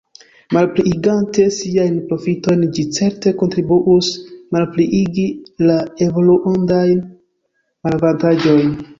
Malpliigante siajn profitojn, ĝi certe kontribuus malpliigi la evolulandajn malavantaĝojn!